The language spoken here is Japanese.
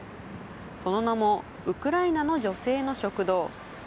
その名もウクライナの女性の食堂。